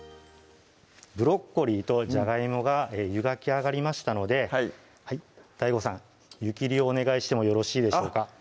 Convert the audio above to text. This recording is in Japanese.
ブロッコリーとじゃがいもが湯がき上がりましたのでＤＡＩＧＯさん湯切りお願いしてもよろしいでしょうか？